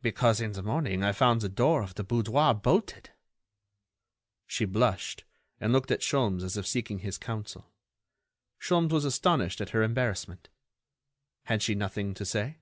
"Because, in the morning I found the door of the boudoir bolted." She blushed, and looked at Sholmes as if seeking his counsel. Sholmes was astonished at her embarrassment. Had she nothing to say?